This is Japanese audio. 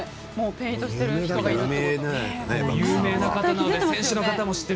ペイントしている人がいるって。